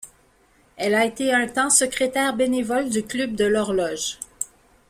Elle a été un temps secrétaire bénévole du Club de l'horloge.